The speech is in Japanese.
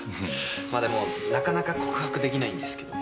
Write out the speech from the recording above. まあでもなかなか告白できないんですけど。